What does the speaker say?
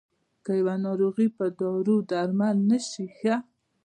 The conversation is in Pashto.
که يوه ناروغي په دارو درمل نه شي ښه.